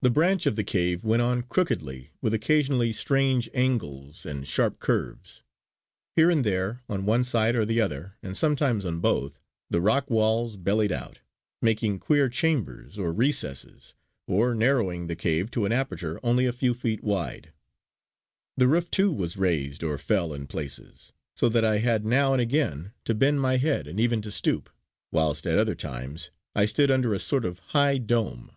This branch of the cave went on crookedly with occasionally strange angles and sharp curves. Here and there, on one side or the other and sometimes on both, the rock walls bellied out, making queer chambers or recesses, or narrowing the cave to an aperture only a few feet wide. The roof too was raised or fell in places, so that I had now and again to bend my head and even to stoop; whilst at other times I stood under a sort of high dome.